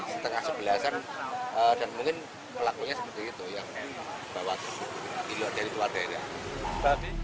setengah sebelasan dan mungkin pelakunya seperti itu yang dibawa dari luar daerah